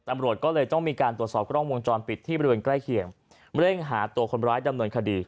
ตำรวจก็เลยต้องมีการตรวจสอบกล้องวงจรปิดที่บริเวณใกล้เคียงเร่งหาตัวคนร้ายดำเนินคดี